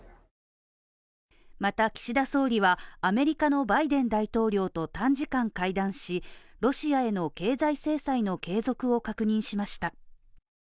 また、岸田総理はアメリカのバイデン大統領と短時間会談しロシアへの経済制裁の継続を確認しました。